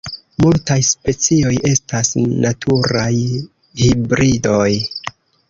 Multaj specioj estas naturaj hibridoj.